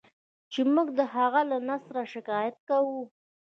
چې موږ د هغه له نثره شکایت کوو.